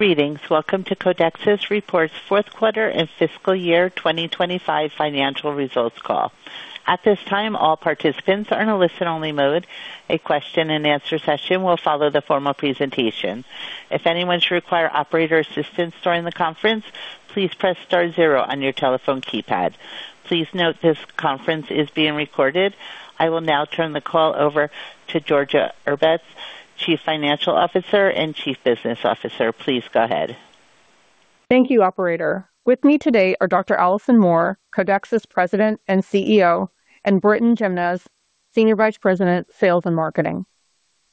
Greetings. Welcome to Codexis Reports' fourth quarter and fiscal year 2025 financial results call. At this time, all participants are in a listen-only mode. A question-and-answer session will follow the formal presentation. If anyone should require operator assistance during the conference, please press star zero on your telephone keypad. Please note this conference is being recorded. I will now turn the call over to Georgia Erbez, Chief Financial Officer and Chief Business Officer. Please go ahead. Thank you, operator. With me today are Dr. Alison Moore, Codexis President and CEO, and Britton Jimenez, Senior Vice President, Sales and Marketing.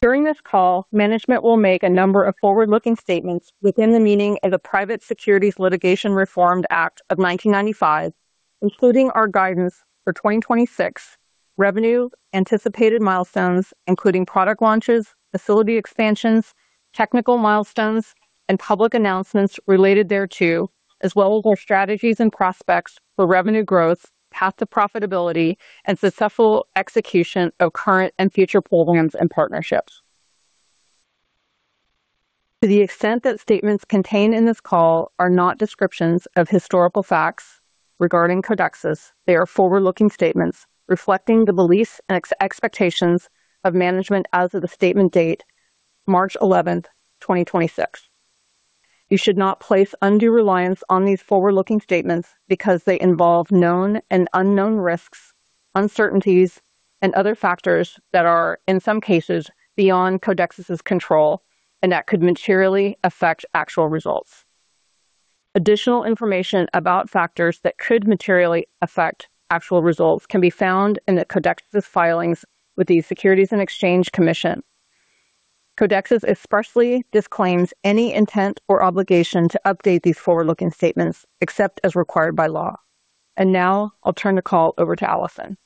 During this call, management will make a number of forward-looking statements within the meaning of the Private Securities Litigation Reform Act of 1995, including our guidance for 2026 revenue, anticipated milestones, including product launches, facility expansions, technical milestones, and public announcements related thereto, as well as our strategies and prospects for revenue growth, path to profitability, and successful execution of current and future programs and partnerships. To the extent that statements contained in this call are not descriptions of historical facts regarding Codexis, they are forward-looking statements reflecting the beliefs and expectations of management as of the statement date March 11, 2026. You should not place undue reliance on these forward-looking statements because they involve known and unknown risks, uncertainties, and other factors that are, in some cases, beyond Codexis's control and that could materially affect actual results. Additional information about factors that could materially affect actual results can be found in the Codexis filings with the Securities and Exchange Commission. Codexis expressly disclaims any intent or obligation to update these forward-looking statements except as required by law. Now I'll turn the call over to Alison.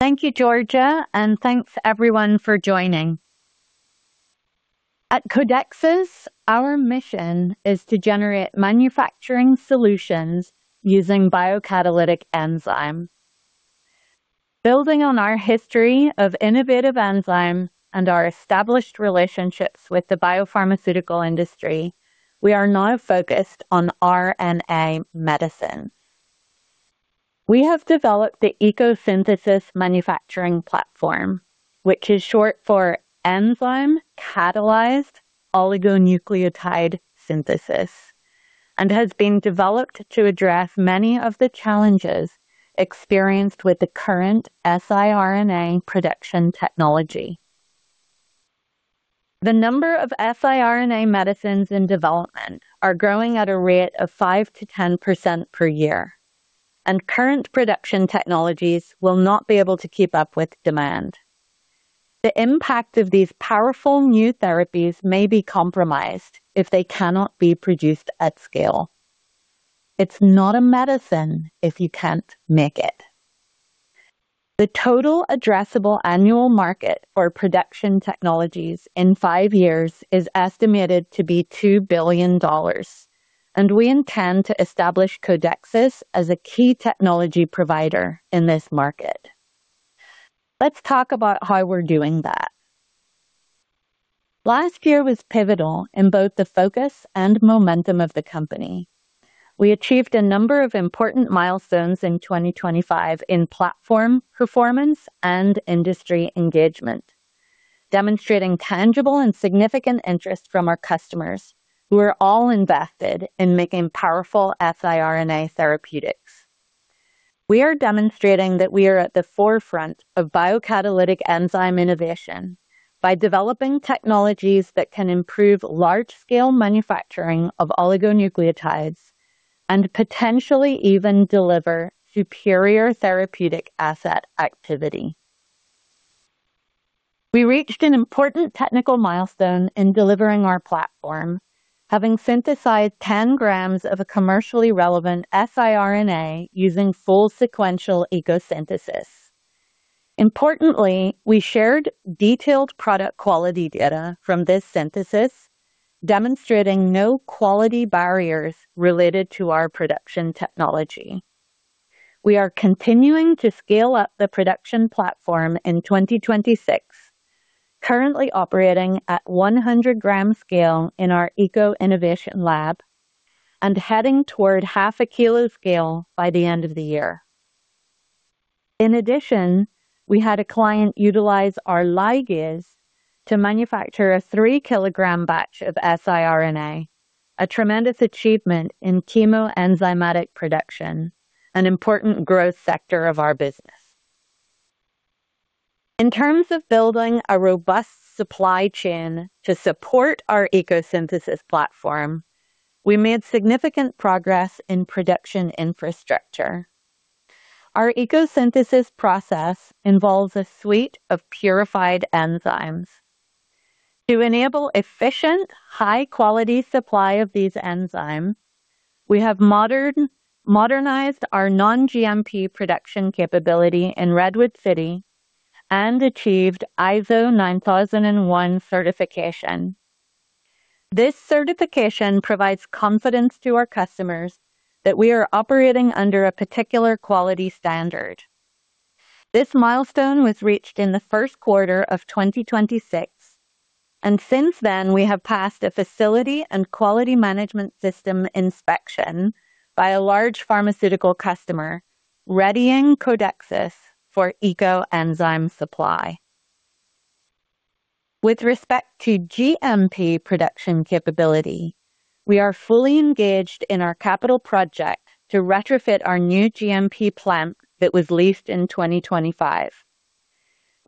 Thank you, Georgia, and thanks everyone for joining. At Codexis, our mission is to generate manufacturing solutions using biocatalytic enzyme. Building on our history of innovative enzyme and our established relationships with the biopharmaceutical industry, we are now focused on RNA medicine. We have developed the ECO Synthesis manufacturing platform, which is short for Enzyme-Catalyzed Oligonucleotide Synthesis, and has been developed to address many of the challenges experienced with the current siRNA production technology. The number of siRNA medicines in development are growing at a rate of 5%-10% per year, and current production technologies will not be able to keep up with demand. The impact of these powerful new therapies may be compromised if they cannot be produced at scale. It's not a medicine if you can't make it. The total addressable annual market for production technologies in five years is estimated to be $2 billion, and we intend to establish Codexis as a key technology provider in this market. Let's talk about how we're doing that. Last year was pivotal in both the focus and momentum of the company. We achieved a number of important milestones in 2025 in platform performance and industry engagement, demonstrating tangible and significant interest from our customers who are all invested in making powerful siRNA therapeutics. We are demonstrating that we are at the forefront of biocatalytic enzyme innovation by developing technologies that can improve large-scale manufacturing of oligonucleotides and potentially even deliver superior therapeutic asset activity. We reached an important technical milestone in delivering our platform, having synthesized 10g of a commercially relevant siRNA using full sequential ECO Synthesis. Importantly, we shared detailed product quality data from this synthesis, demonstrating no quality barriers related to our production technology. We are continuing to scale up the production platform in 2026, currently operating at 100-g scale in our ECO Innovation Lab and heading toward half a kilo scale by the end of the year. In addition, we had a client utilize our ligase to manufacture a 3-kg batch of siRNA, a tremendous achievement in chemoenzymatic production, an important growth sector of our business. In terms of building a robust supply chain to support our ECO Synthesis platform, we made significant progress in production infrastructure. Our ECO Synthesis process involves a suite of purified enzymes. To enable efficient, high-quality supply of these enzymes, we have modernized our non-GMP production capability in Redwood City and achieved ISO 9001 certification. This certification provides confidence to our customers that we are operating under a particular quality standard. This milestone was reached in the first quarter of 2026, and since then, we have passed a facility and quality management system inspection by a large pharmaceutical customer, readying Codexis for ECO enzyme supply. With respect to GMP production capability, we are fully engaged in our capital project to retrofit our new GMP plant that was leased in 2025.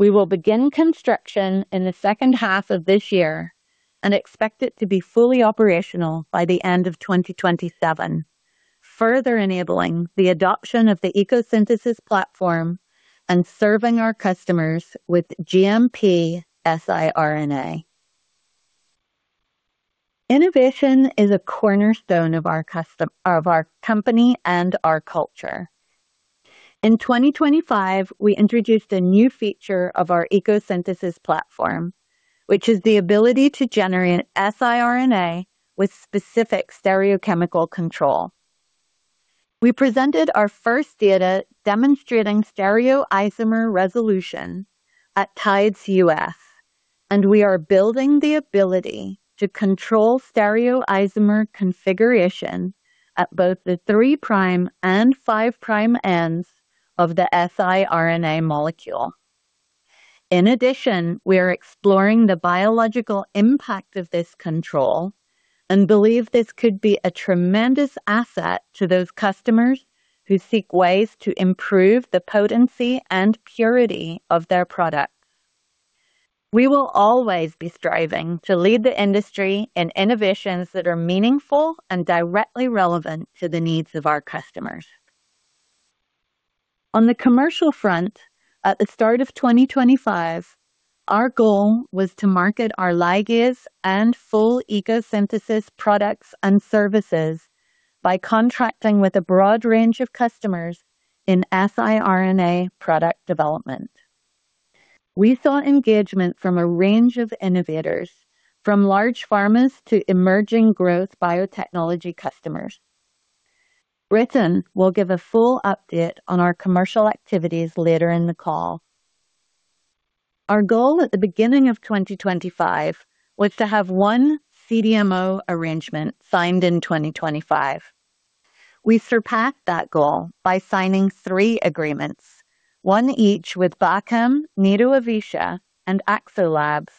We will begin construction in the second half of this year and expect it to be fully operational by the end of 2027, further enabling the adoption of the ECO Synthesis platform and serving our customers with GMP siRNA. Innovation is a cornerstone of our company and our culture. In 2025, we introduced a new feature of our ECO Synthesis platform, which is the ability to generate siRNA with specific stereochemical control. We presented our first data demonstrating stereoisomer resolution at TIDES US, and we are building the ability to control stereoisomer configuration at both the three-prime and five-prime ends of the siRNA molecule. In addition, we are exploring the biological impact of this control and believe this could be a tremendous asset to those customers who seek ways to improve the potency and purity of their products. We will always be striving to lead the industry in innovations that are meaningful and directly relevant to the needs of our customers. On the commercial front, at the start of 2025, our goal was to market our ligase and full ECO Synthesis products and services by contracting with a broad range of customers in siRNA product development. We saw engagement from a range of innovators, from large pharmas to emerging growth biotechnology customers. Britton will give a full update on our commercial activities later in the call. Our goal at the beginning of 2025 was to have one CDMO arrangement signed in 2025. We surpassed that goal by signing three agreements, one each with Bachem, Nitto Avecia, and Axolabs,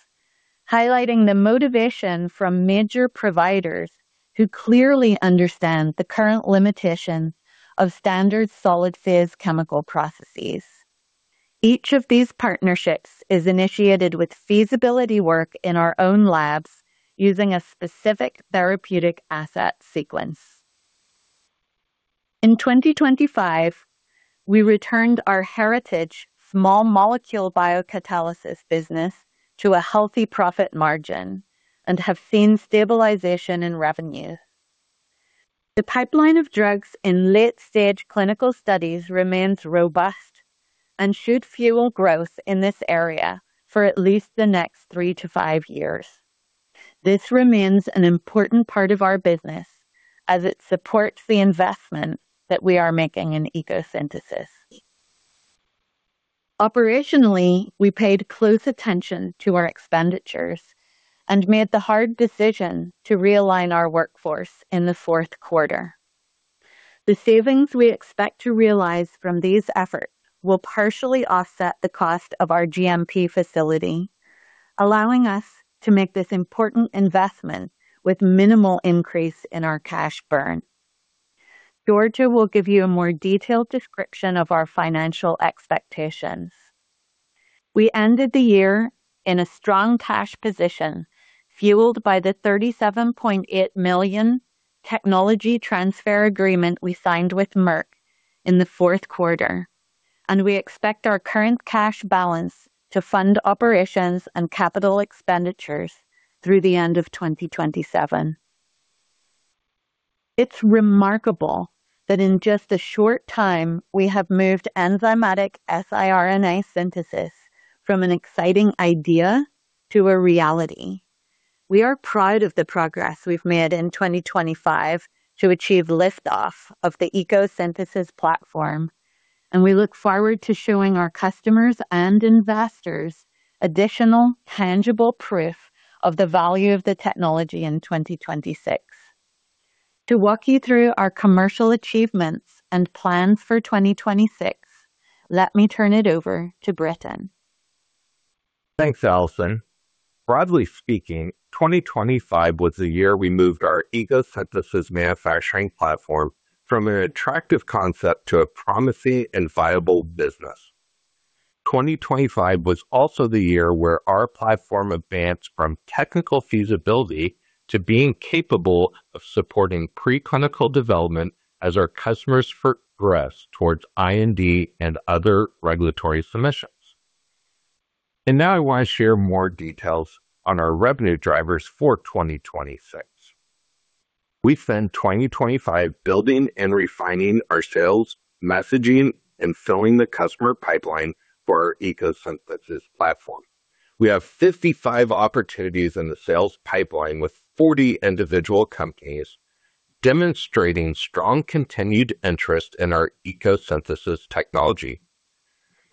highlighting the motivation from major providers who clearly understand the current limitations of standard solid phase chemical processes. Each of these partnerships is initiated with feasibility work in our own labs using a specific therapeutic asset sequence. In 2025, we returned our heritage small molecule biocatalysis business to a healthy profit margin and have seen stabilization in revenue. The pipeline of drugs in late-stage clinical studies remains robust and should fuel growth in this area for at least the next three-five years. This remains an important part of our business as it supports the investment that we are making in ECO Synthesis. Operationally, we paid close attention to our expenditures and made the hard decision to realign our workforce in the fourth quarter. The savings we expect to realize from these efforts will partially offset the cost of our GMP facility, allowing us to make this important investment with minimal increase in our cash burn. Georgia will give you a more detailed description of our financial expectations. We ended the year in a strong cash position fueled by the $37.8 million technology transfer agreement we signed with Merck in the fourth quarter, and we expect our current cash balance to fund operations and capital expenditures through the end of 2027. It's remarkable that in just a short time we have moved enzymatic siRNA synthesis from an exciting idea to a reality. We are proud of the progress we've made in 2025 to achieve liftoff of the ECO Synthesis platform, and we look forward to showing our customers and investors additional tangible proof of the value of the technology in 2026. To walk you through our commercial achievements and plans for 2026, let me turn it over to Britton. Thanks, Alison. Broadly speaking, 2025 was the year we moved our ECO Synthesis manufacturing platform from an attractive concept to a promising and viable business. 2025 was also the year where our platform advanced from technical feasibility to being capable of supporting preclinical development as our customers progress towards IND and other regulatory submissions. Now I want to share more details on our revenue drivers for 2026. We spent 2025 building and refining our sales, messaging, and filling the customer pipeline for our ECO Synthesis platform. We have 55 opportunities in the sales pipeline with 40 individual companies, demonstrating strong continued interest in our ECO Synthesis technology.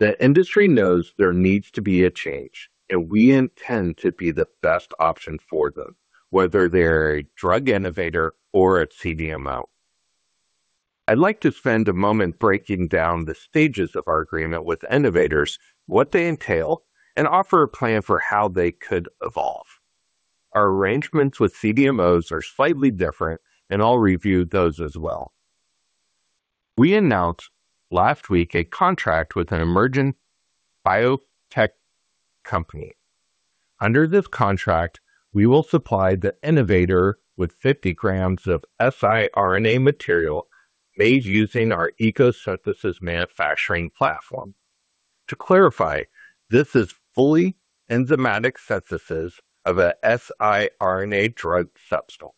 The industry knows there needs to be a change, and we intend to be the best option for them, whether they're a drug innovator or a CDMO. I'd like to spend a moment breaking down the stages of our agreement with innovators, what they entail, and offer a plan for how they could evolve. Our arrangements with CDMOs are slightly different, and I'll review those as well. We announced last week a contract with an emergent biotech company. Under this contract, we will supply the innovator with 50g of siRNA material made using our ECO Synthesis manufacturing platform. To clarify, this is fully enzymatic synthesis of a siRNA drug substance.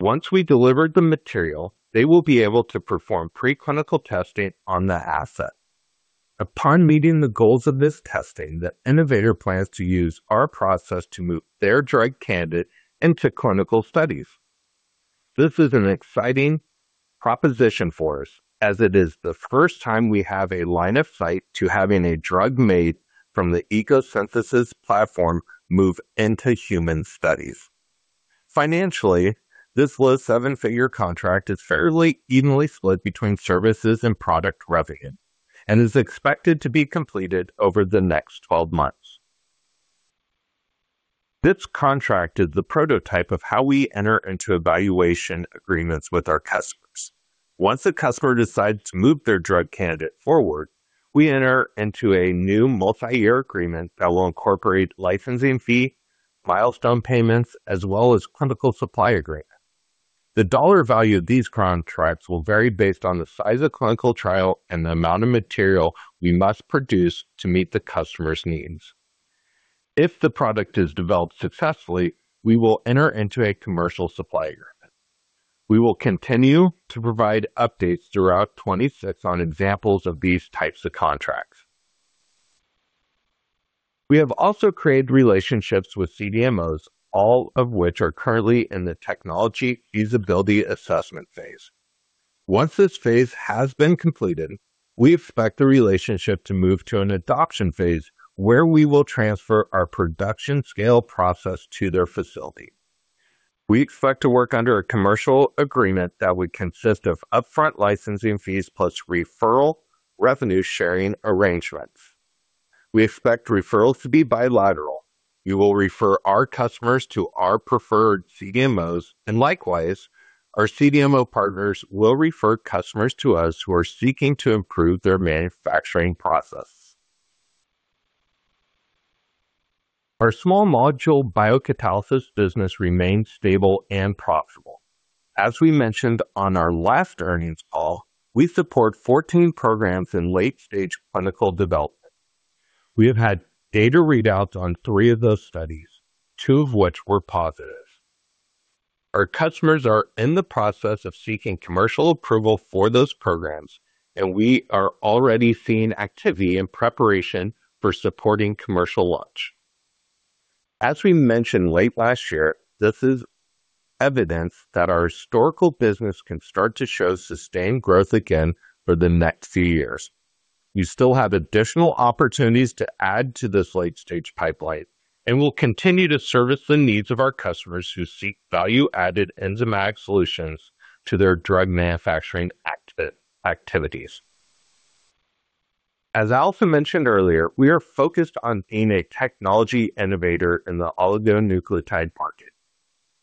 Once we deliver the material, they will be able to perform preclinical testing on the asset. Upon meeting the goals of this testing, the innovator plans to use our process to move their drug candidate into clinical studies. This is an exciting proposition for us, as it is the first time we have a line of sight to having a drug made from the ECO Synthesis platform move into human studies. Financially, this low seven-figure contract is fairly evenly split between services and product revenue and is expected to be completed over the next 12 months. This contract is the prototype of how we enter into evaluation agreements with our customers. Once a customer decides to move their drug candidate forward, we enter into a new multi-year agreement that will incorporate licensing fee, milestone payments, as well as clinical supply agreement. The dollar value of these contracts will vary based on the size of clinical trial and the amount of material we must produce to meet the customer's needs. If the product is developed successfully, we will enter into a commercial supply agreement. We will continue to provide updates throughout 2026 on examples of these types of contracts. We have also created relationships with CDMOs, all of which are currently in the technology feasibility assessment phase. Once this phase has been completed, we expect the relationship to move to an adoption phase where we will transfer our production scale process to their facility. We expect to work under a commercial agreement that would consist of upfront licensing fees plus referral revenue-sharing arrangements. We expect referrals to be bilateral. We will refer our customers to our preferred CDMOs, and likewise, our CDMO partners will refer customers to us who are seeking to improve their manufacturing process. Our small molecule biocatalysis business remains stable and profitable. As we mentioned on our last earnings call, we support 14 programs in late-stage clinical development. We have had data readouts on three of those studies, two of which were positive. Our customers are in the process of seeking commercial approval for those programs, and we are already seeing activity in preparation for supporting commercial launch. As we mentioned late last year, this is evidence that our historical business can start to show sustained growth again for the next few years. We still have additional opportunities to add to this late-stage pipeline and will continue to service the needs of our customers who seek value-added enzymatic solutions to their drug manufacturing activities. As Alison mentioned earlier, we are focused on being a technology innovator in the oligonucleotide market.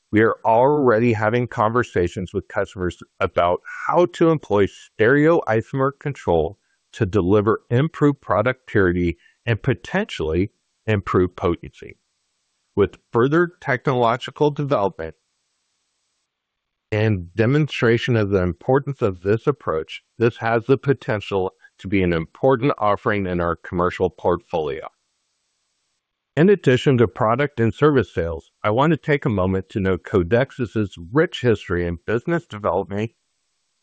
We are already having conversations with customers about how to employ stereoisomer control to deliver improved product purity and potentially improve potency. With further technological development and demonstration of the importance of this approach, this has the potential to be an important offering in our commercial portfolio. In addition to product and service sales, I want to take a moment to note Codexis' rich history in business development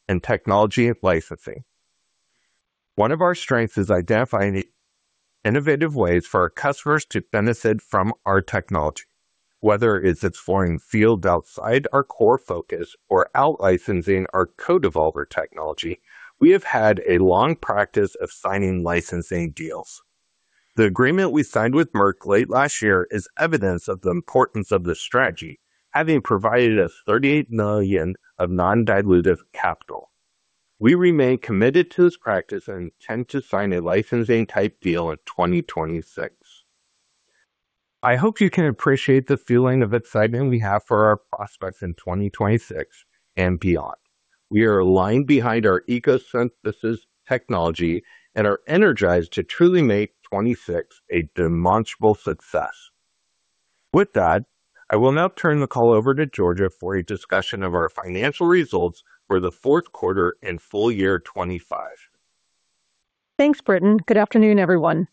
and technology licensing. One of our strengths is identifying innovative ways for our customers to benefit from our technology. Whether it is exploring fields outside our core focus or out licensing our CodeEvolver technology, we have had a long practice of signing licensing deals. The agreement we signed with Merck late last year is evidence of the importance of this strategy, having provided us $38 million of non-dilutive capital. We remain committed to this practice and intend to sign a licensing-type deal in 2026. I hope you can appreciate the feeling of excitement we have for our prospects in 2026 and beyond. We are aligned behind our ECO Synthesis technology and are energized to truly make 2026 a demonstrable success. With that, I will now turn the call over to Georgia for a discussion of our financial results for the fourth quarter and full year 2025. Thanks, Britton. Good afternoon, everyone.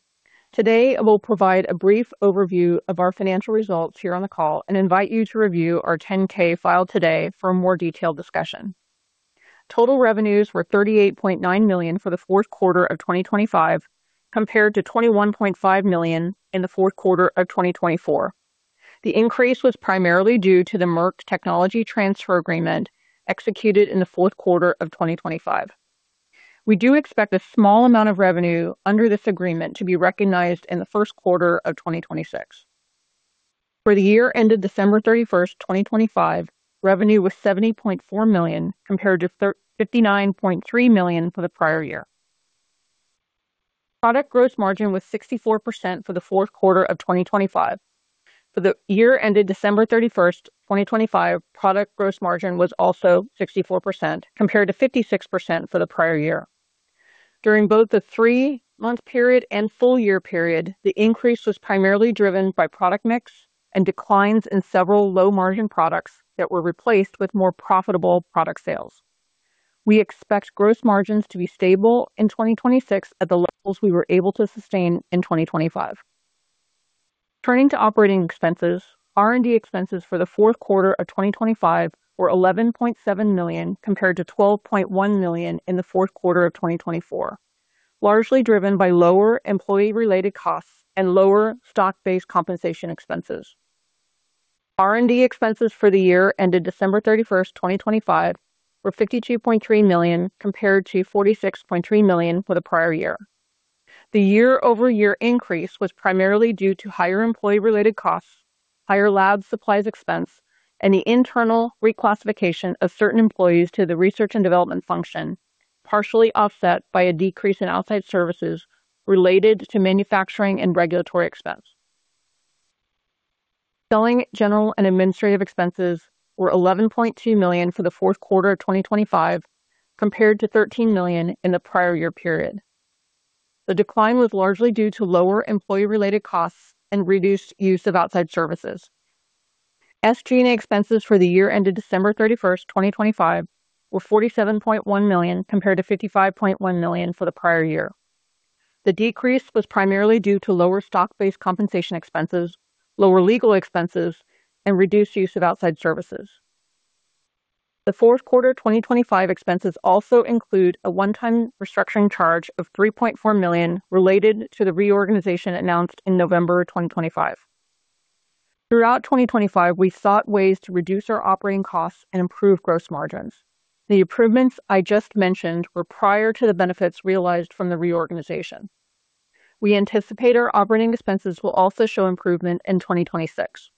Today, I will provide a brief overview of our financial results here on the call and invite you to review our 10-K filed today for a more detailed discussion. Total revenues were $38.9 million for the fourth quarter of 2025, compared to $21.5 million in the fourth quarter of 2024. The increase was primarily due to the Merck technology transfer agreement executed in the fourth quarter of 2025. We do expect a small amount of revenue under this agreement to be recognized in the first quarter of 2026. For the year ended December 31, 2025, revenue was $70.4 million compared to $59.3 million for the prior year. Product gross margin was 64% for the fourth quarter of 2025. For the year ended December 31, 2025, product gross margin was also 64% compared to 56% for the prior year. During both the three-month period and full year period, the increase was primarily driven by product mix and declines in several low-margin products that were replaced with more profitable product sales. We expect gross margins to be stable in 2026 at the levels we were able to sustain in 2025. Turning to operating expenses, R&D expenses for the fourth quarter of 2025 were $11.7 million compared to $12.1 million in the fourth quarter of 2024, largely driven by lower employee-related costs and lower stock-based compensation expenses. R&D expenses for the year ended December 31, 2025, were $52.3 million compared to $46.3 million for the prior year. The year-over-year increase was primarily due to higher employee-related costs, higher lab supplies expense, and the internal reclassification of certain employees to the research and development function, partially offset by a decrease in outside services related to manufacturing and regulatory expense. Selling, general and administrative expenses were $11.2 million for the fourth quarter of 2025 compared to $13 million in the prior year period. The decline was largely due to lower employee-related costs and reduced use of outside services. SG&A expenses for the year ended December 31, 2025, were $47.1 million compared to $55.1 million for the prior year. The decrease was primarily due to lower stock-based compensation expenses, lower legal expenses, and reduced use of outside services. The fourth quarter 2025 expenses also include a one-time restructuring charge of $3.4 million related to the reorganization announced in November 2025. Throughout 2025, we sought ways to reduce our operating costs and improve gross margins. The improvements I just mentioned were prior to the benefits realized from the reorganization. We anticipate our operating expenses will also show improvement in 2026.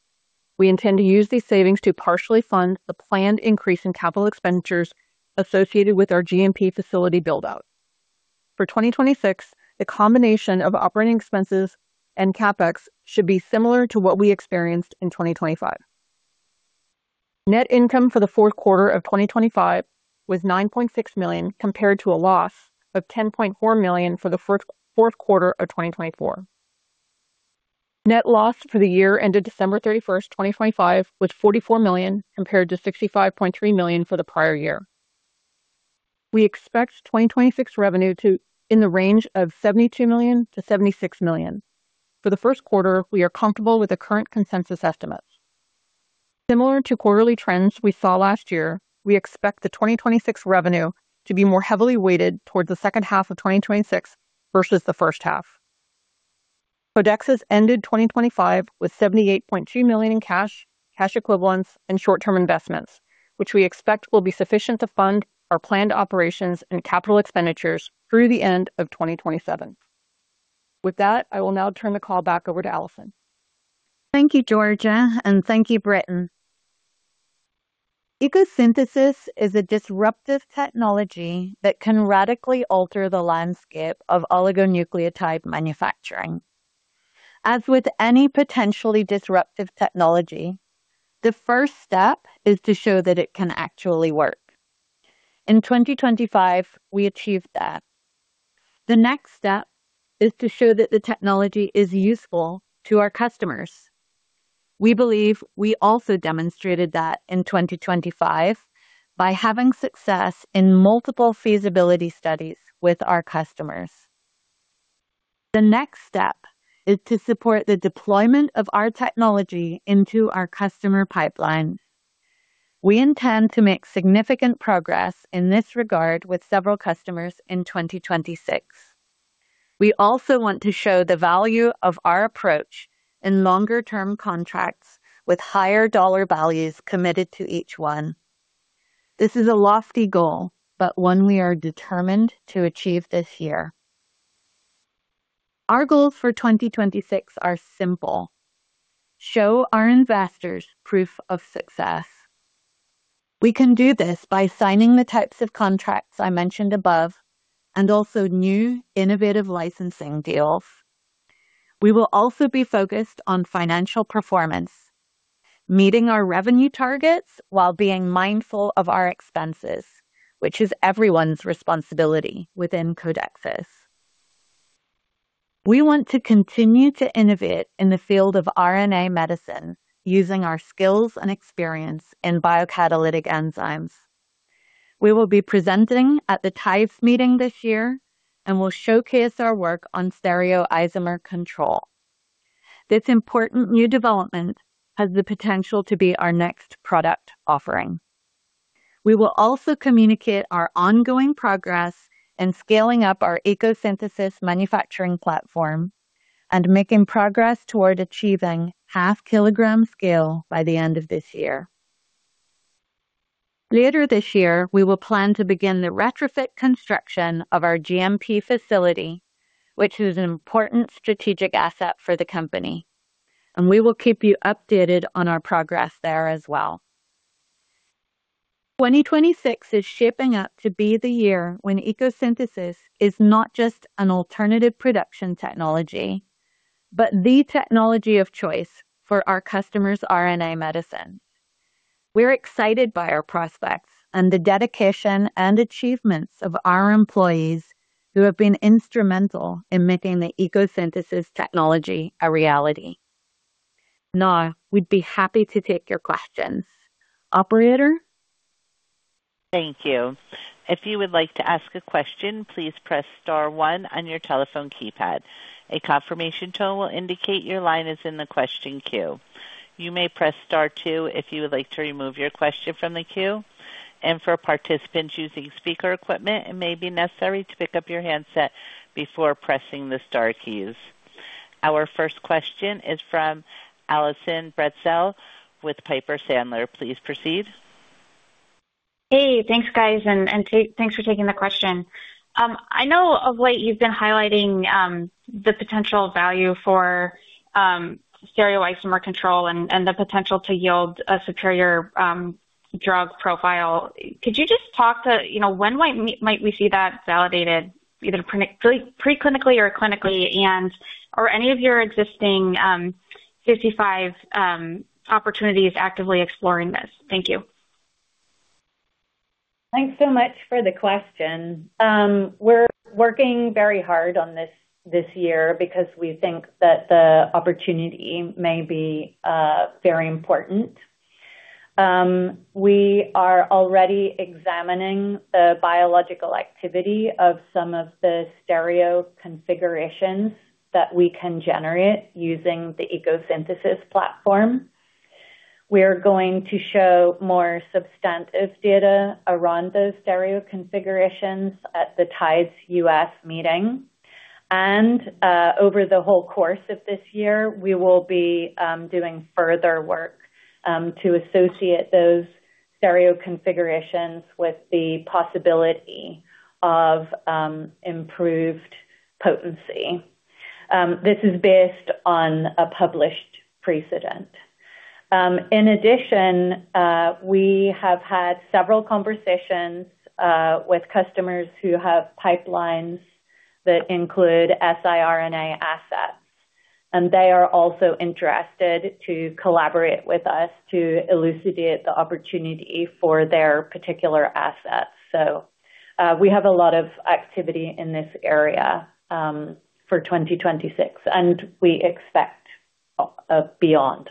We intend to use these savings to partially fund the planned increase in capital expenditures associated with our GMP facility build-out. For 2026, the combination of operating expenses and CapEx should be similar to what we experienced in 2025. Net income for the fourth quarter of 2025 was $9.6 million compared to a loss of $10.4 million for the fourth quarter of 2024. Net loss for the year ended December 31, 2025, was $44 million compared to $65.3 million for the prior year. We expect 2026 revenue to be in the range of $72 million-$76 million. For the first quarter, we are comfortable with the current consensus estimates. Similar to quarterly trends we saw last year, we expect the 2026 revenue to be more heavily weighted towards the second half of 2026 versus the first half. Codexis ended 2025 with $78.2 million in cash, cash equivalents, and short-term investments, which we expect will be sufficient to fund our planned operations and capital expenditures through the end of 2027. With that, I will now turn the call back over to Alison. Thank you, Georgia, and thank you, Britton. ECO Synthesis is a disruptive technology that can radically alter the landscape of oligonucleotide manufacturing. As with any potentially disruptive technology, the first step is to show that it can actually work. In 2025, we achieved that. The next step is to show that the technology is useful to our customers. We believe we also demonstrated that in 2025 by having success in multiple feasibility studies with our customers. The next step is to support the deployment of our technology into our customer pipeline. We intend to make significant progress in this regard with several customers in 2026. We also want to show the value of our approach in longer term contracts with higher dollar values committed to each one. This is a lofty goal, but one we are determined to achieve this year. Our goals for 2026 are simple. Show our investors proof of success. We can do this by signing the types of contracts I mentioned above and also new innovative licensing deals. We will also be focused on financial performance, meeting our revenue targets while being mindful of our expenses, which is everyone's responsibility within Codexis. We want to continue to innovate in the field of RNA medicine using our skills and experience in biocatalytic enzymes. We will be presenting at the TIDES meeting this year, and we'll showcase our work on stereoisomer control. This important new development has the potential to be our next product offering. We will also communicate our ongoing progress in scaling up our ECO Synthesis manufacturing platform and making progress toward achieving half kilogram scale by the end of this year. Later this year, we will plan to begin the retrofit construction of our GMP facility, which is an important strategic asset for the company, and we will keep you updated on our progress there as well. 2026 is shaping up to be the year when ECO Synthesis is not just an alternative production technology, but the technology of choice for our customers' RNA medicine. We're excited by our prospects and the dedication and achievements of our employees who have been instrumental in making the ECO Synthesis technology a reality. Now we'd be happy to take your questions. Operator. Thank you. If you would like to ask a question, please press star one on your telephone keypad. A confirmation tone will indicate your line is in the question queue. You may press star two if you would like to remove your question from the queue. For participants using speaker equipment, it may be necessary to pick up your handset before pressing the star keys. Our first question is from Allison Bratzel with Piper Sandler. Please proceed. Hey, thanks, guys, and thanks for taking the question. I know of late you've been highlighting the potential value for stereoisomer control and the potential to yield a superior drug profile. Could you just talk to, you know, when might we see that validated either preclinically or clinically, and are any of your existing 55 opportunities actively exploring this? Thank you. Thanks so much for the question. We're working very hard on this year because we think that the opportunity may be very important. We are already examining the biological activity of some of the stereo configurations that we can generate using the ECO Synthesis platform. We are going to show more substantive data around those stereo configurations at the TIDES US meeting. Over the whole course of this year, we will be doing further work to associate those stereo configurations with the possibility of improved potency. This is based on a published precedent. In addition, we have had several conversations with customers who have pipelines that include siRNA assets, and they are also interested to collaborate with us to elucidate the opportunity for their particular assets. We have a lot of activity in this area for 2026 and we expect beyond.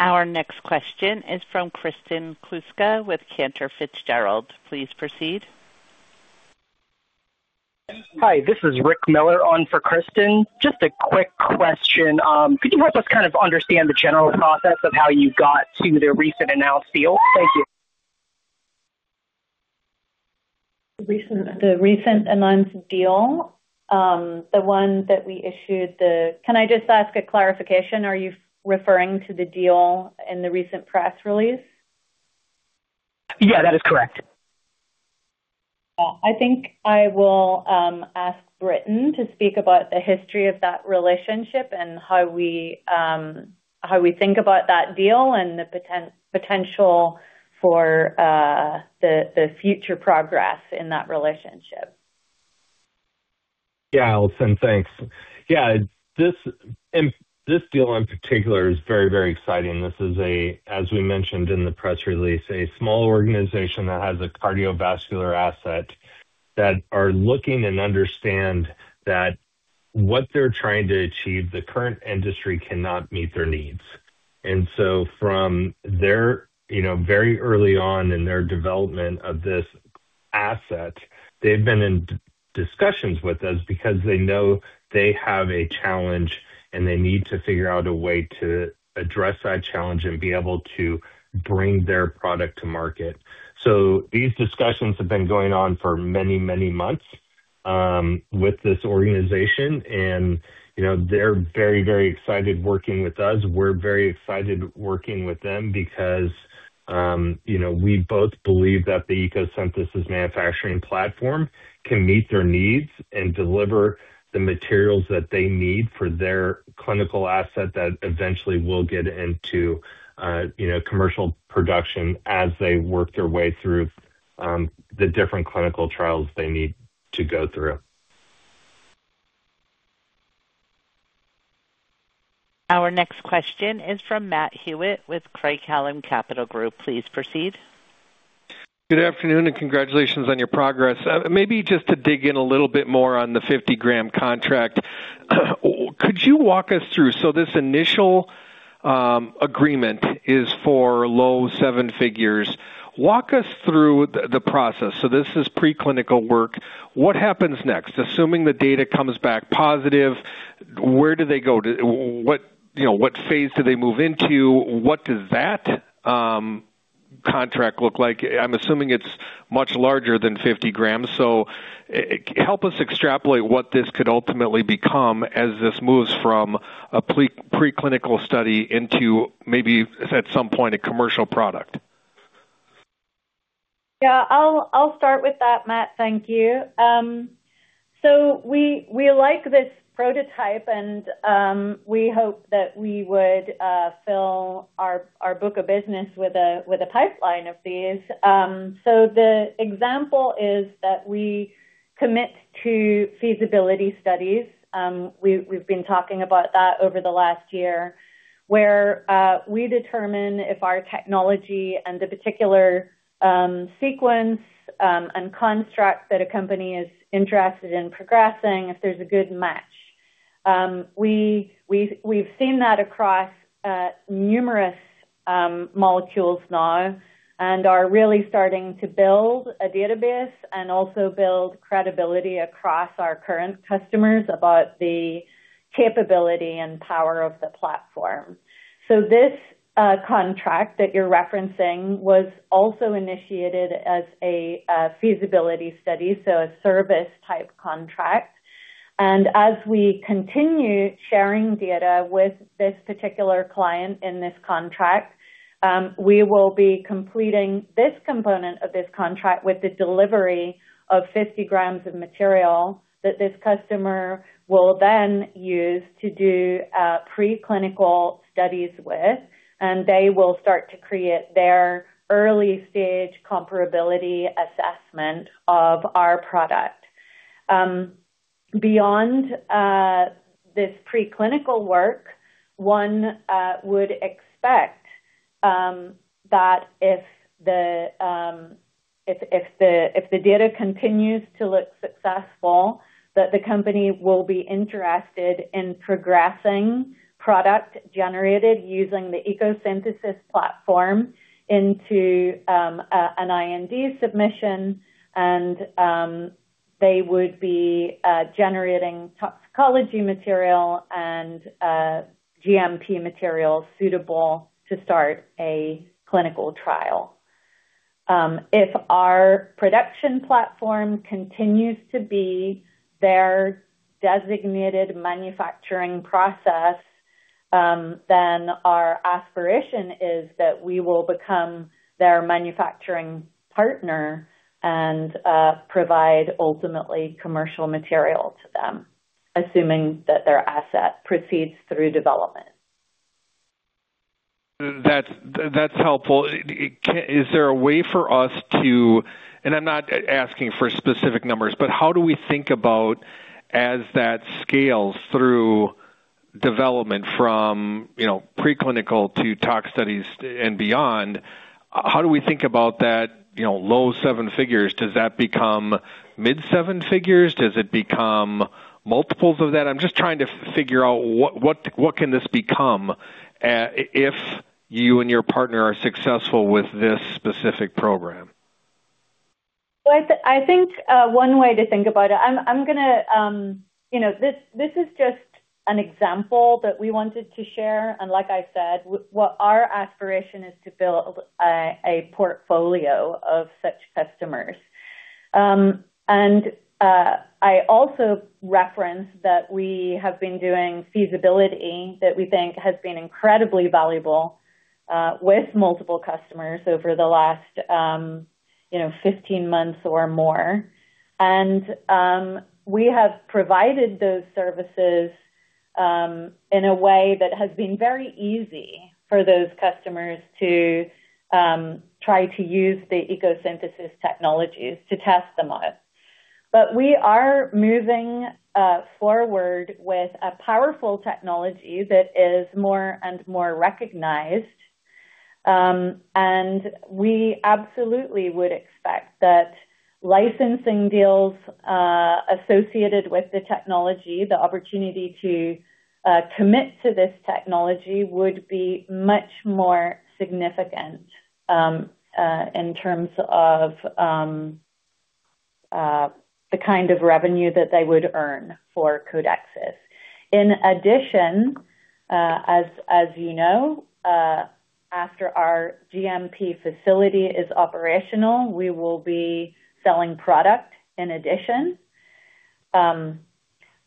Our next question is from Kristen Kluska with Cantor Fitzgerald. Please proceed. Hi, this is Rick Miller on for Kristen. Just a quick question. Could you help us kind of understand the general process of how you got to the recent announced deal? Thank you. The recent announced deal? Can I just ask a clarification? Are you referring to the deal in the recent press release? Yeah, that is correct. I think I will ask Britton to speak about the history of that relationship and how we think about that deal and the potential for the future progress in that relationship. Yeah. Allison. Thanks. Yeah. This, and this deal in particular is very, very exciting. This is a, as we mentioned in the press release, a small organization that has a cardiovascular asset that are looking and understand that what they're trying to achieve, the current industry cannot meet their needs. From their, you know, very early on in their development of this asset, they've been in discussions with us because they know they have a challenge, and they need to figure out a way to address that challenge and be able to bring their product to market. These discussions have been going on for many, many months with this organization. You know, they're very, very excited working with us. We're very excited working with them because, you know, we both believe that the ECO Synthesis manufacturing platform can meet their needs and deliver the materials that they need for their clinical asset that eventually will get into, you know, commercial production as they work their way through, the different clinical trials they need to go through. Our next question is from Matt Hewitt with Craig-Hallum Capital Group. Please proceed. Good afternoon, and congratulations on your progress. Maybe just to dig in a little bit more on the 50-g contract. Could you walk us through. This initial agreement is for low-seven figures. Walk us through the process. This is preclinical work. What happens next? Assuming the data comes back positive, where do they go? What, you know, what phase do they move into? What does that contract look like? I'm assuming it's much larger than 50g. Help us extrapolate what this could ultimately become as this moves from a preclinical study into maybe at some point, a commercial product. Yeah. I'll start with that, Matt. Thank you. We like this prototype and we hope that we would fill our book of business with a pipeline of these. The example is that we commit to feasibility studies. We've been talking about that over the last year, where we determine if our technology and the particular sequence and construct that a company is interested in progressing if there's a good match. We've seen that across numerous molecules now and are really starting to build a database and also build credibility across our current customers about the capability and power of the platform. This contract that you're referencing was also initiated as a feasibility study, so a service-type contract. As we continue sharing data with this particular client in this contract, we will be completing this component of this contract with the delivery of 50g of material that this customer will then use to do preclinical studies with, and they will start to create their early-stage comparability assessment of our product. Beyond this preclinical work, one would expect that if the data continues to look successful, that the company will be interested in progressing product generated using the ECO Synthesis platform into an IND submission. They would be generating toxicology material and GMP material suitable to start a clinical trial. If our production platform continues to be their designated manufacturing process, then our aspiration is that we will become their manufacturing partner and provide ultimately commercial material to them, assuming that their asset proceeds through development. That's helpful. Is there a way for us to... I'm not asking for specific numbers, but how do we think about as that scales through development from, you know, preclinical to tox studies and beyond, how do we think about that, you know, low-seven figures? Does that become mid-seven figures? Does it become multiples of that? I'm just trying to figure out what can this become, if you and your partner are successful with this specific program. Well, I think one way to think about it, I'm gonna, you know, this is just an example that we wanted to share. Like I said, what our aspiration is to build a portfolio of such customers. I also referenced that we have been doing feasibility that we think has been incredibly valuable with multiple customers over the last, you know, 15 months or more. We have provided those services in a way that has been very easy for those customers to try to use the ECO synthesis technologies to test them on it. We are moving forward with a powerful technology that is more and more recognized. We absolutely would expect that licensing deals associated with the technology, the opportunity to commit to this technology would be much more significant in terms of the kind of revenue that they would earn for Codexis. In addition, as you know, after our GMP facility is operational, we will be selling product in addition.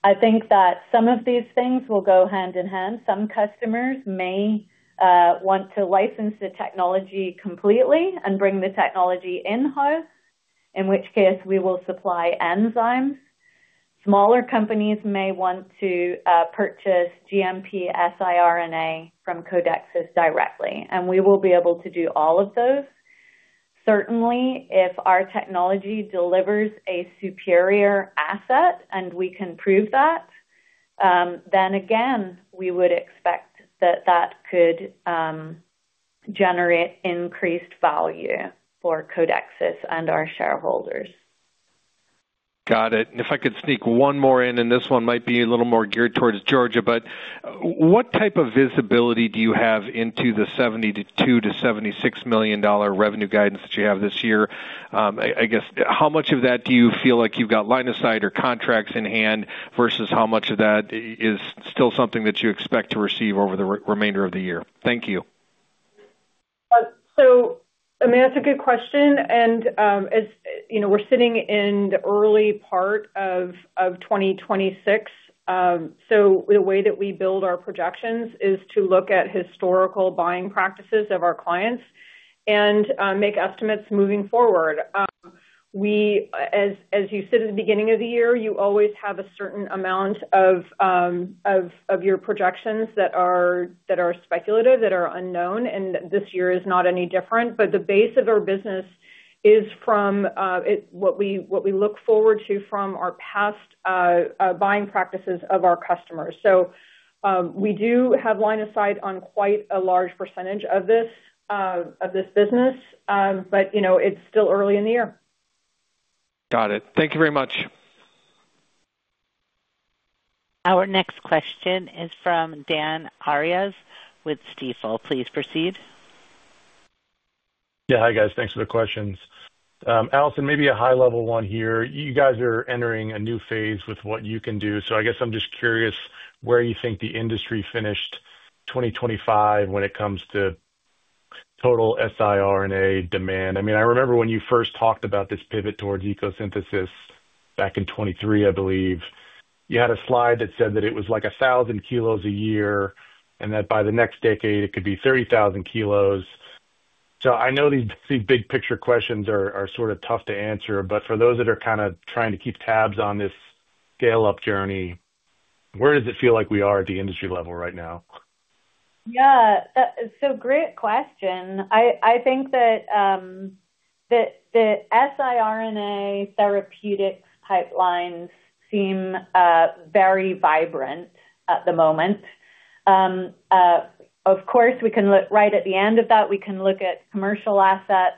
I think that some of these things will go hand-in-hand. Some customers may want to license the technology completely and bring the technology in-house, in which case we will supply enzymes. Smaller companies may want to purchase GMP siRNA from Codexis directly, and we will be able to do all of those. Certainly, if our technology delivers a superior asset and we can prove that, then again, we would expect that could generate increased value for Codexis and our shareholders. Got it. If I could sneak one more in, this one might be a little more geared towards Georgia, but what type of visibility do you have into the $72 million-$76 million revenue guidance that you have this year? I guess, how much of that do you feel like you've got line of sight or contracts in hand versus how much of that is still something that you expect to receive over the remainder of the year? Thank you. I mean, that's a good question. As you know, we're sitting in the early part of 2026, so the way that we build our projections is to look at historical buying practices of our clients and make estimates moving forward. As you sit at the beginning of the year, you always have a certain amount of your projections that are speculative, that are unknown, and this year is not any different. The base of our business is from what we look forward to from our past buying practices of our customers. We do have line of sight on quite a large percentage of this business. You know, it's still early in the year. Got it. Thank you very much. Our next question is from Dan Arias with Stifel. Please proceed. Yeah. Hi, guys. Thanks for the questions. Allison, maybe a high level one here. You guys are entering a new phase with what you can do, so I guess I'm just curious where you think the industry finished 2025 when it comes to total siRNA demand. I mean, I remember when you first talked about this pivot towards ECO Synthesis back in 2023, I believe, you had a slide that said that it was like 1,000 kilos a year, and that by the next decade it could be 30,000 kilos. I know these big picture questions are sort of tough to answer, but for those that are kinda trying to keep tabs on this scale-up journey, where does it feel like we are at the industry level right now? Yeah. Great question. I think that the siRNA therapeutic pipelines seem very vibrant at the moment. Of course, we can look at commercial assets.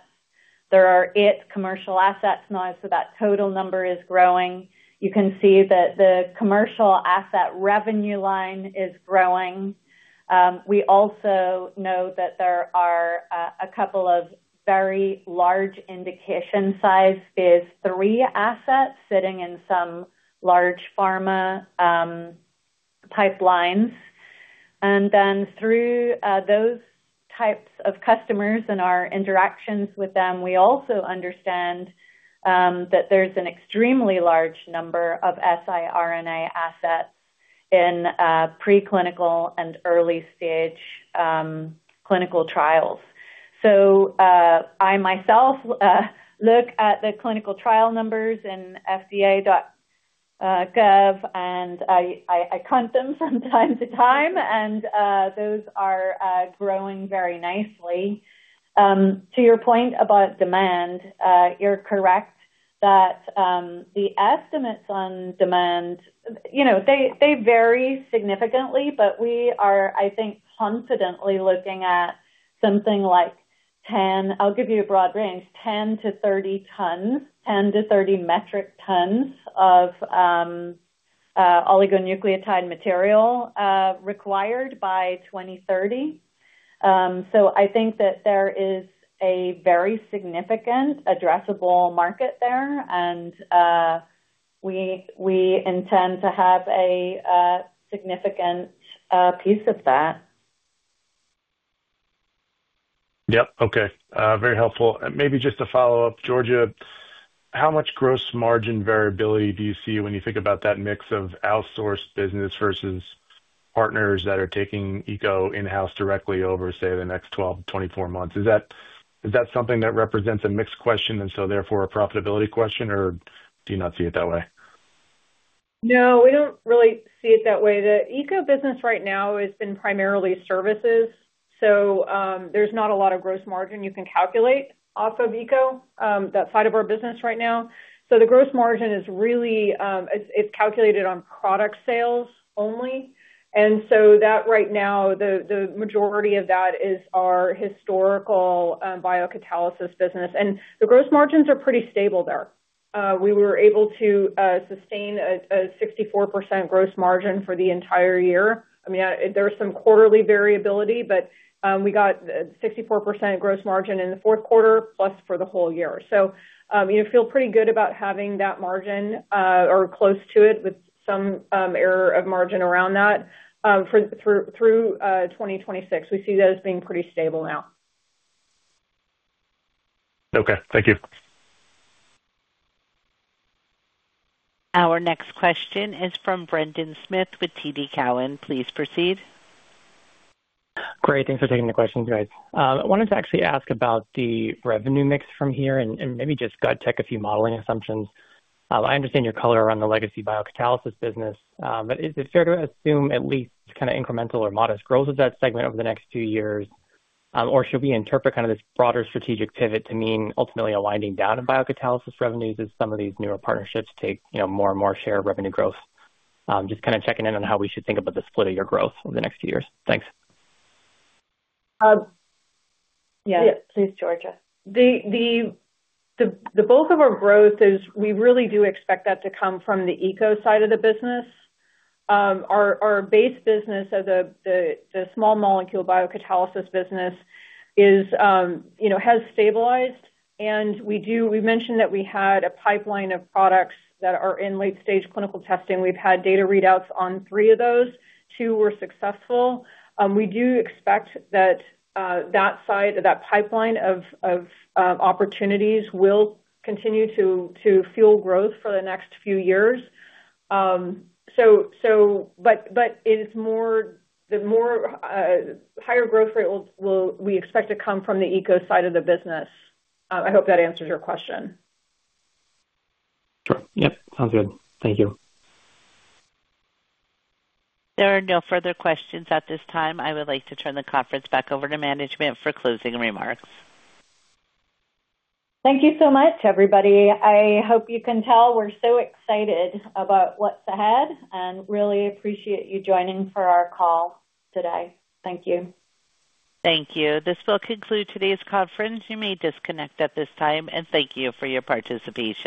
There are commercial assets now, so that total number is growing. You can see that the commercial asset revenue line is growing. We also know that there are a couple of very large indication size phase III assets sitting in some large pharma pipelines. Through those types of customers and our interactions with them, we also understand that there's an extremely large number of siRNA assets in preclinical and early stage clinical trials. I myself look at the clinical trial numbers in fda.gov, and I count them from time to time, and those are growing very nicely. To your point about demand, you're correct that the estimates on demand, you know, they vary significantly, but we are, I think, confidently looking at something like 10— I'll give you a broad range, 10-30 tons, 10-30 metric tons of oligonucleotide material required by 2030. I think that there is a very significant addressable market there. We intend to have a significant piece of that. Yep. Okay. Very helpful. Maybe just to follow up, Georgia, how much gross margin variability do you see when you think about that mix of outsourced business versus partners that are taking ECO in-house directly over, say, the next 12-24 months? Is that something that represents a mixed question and so therefore a profitability question, or do you not see it that way? No, we don't really see it that way. The ECO business right now has been primarily services, so there's not a lot of gross margin you can calculate off of ECO, that side of our business right now. The gross margin is really, it's calculated on product sales only, and so that right now the majority of that is our historical biocatalysis business. The gross margins are pretty stable there. We were able to sustain a 64% gross margin for the entire year. I mean, there was some quarterly variability, but we got 64% gross margin in the fourth quarter plus for the whole year. You feel pretty good about having that margin, or close to it with some error of margin around that, through 2026. We see that as being pretty stable now. Okay. Thank you. Our next question is from Brendan Smith with TD Cowen. Please proceed. Great. Thanks for taking the questions, guys. I wanted to actually ask about the revenue mix from here and maybe just gut check a few modeling assumptions. I understand your color around the legacy biocatalysis business. But is it fair to assume at least kind of incremental or modest growth of that segment over the next two years? Or should we interpret kind of this broader strategic pivot to mean ultimately a winding down of biocatalysis revenues as some of these newer partnerships take, you know, more and more share of revenue growth? Just kind of checking in on how we should think about the split of your growth over the next few years. Thanks. Please, Georgia. The bulk of our growth is we really do expect that to come from the eco side of the business. Our base business as the small molecule biocatalysis business, you know, has stabilized. We mentioned that we had a pipeline of products that are in late stage clinical testing. We've had data readouts on three of those. Two were successful. We do expect that side, that pipeline of opportunities will continue to fuel growth for the next few years. It's more the higher growth rate we expect to come from the eco side of the business. I hope that answers your question. Sure. Yep. Sounds good. Thank you. There are no further questions at this time. I would like to turn the conference back over to management for closing remarks. Thank you so much, everybody. I hope you can tell we're so excited about what's ahead and really appreciate you joining for our call today. Thank you. Thank you. This will conclude today's conference. You may disconnect at this time, and thank you for your participation.